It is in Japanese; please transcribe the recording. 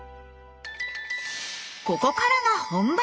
ここからが本番！